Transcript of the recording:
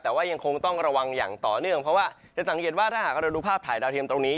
แต่ว่ายังคงต้องระวังอย่างต่อเนื่องเพราะว่าจะสังเกตว่าถ้าหากเราดูภาพถ่ายดาวเทียมตรงนี้